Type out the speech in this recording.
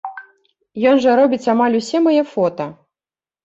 Ён жа робіць амаль усе мае фота.